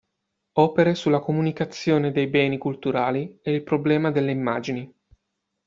Opere sulla comunicazione dei beni culturali e il problema delle immagini.